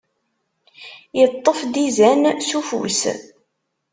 Iṭṭef-d izan s ufus!